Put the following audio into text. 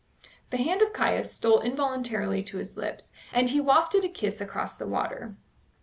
The hand of Caius stole involuntarily to his lips, and he wafted a kiss across the water.